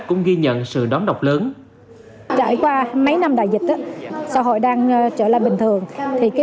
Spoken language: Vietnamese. cũng ghi nhận sự đón đọc lớn trải qua mấy năm đại dịch xã hội đang trở lại bình thường thì cái